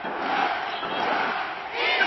ښځې په خپلو زړو جامو کې د ژوند سختۍ پټې کړې وې.